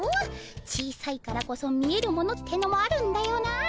小さいからこそ見えるものってのもあるんだよなあ。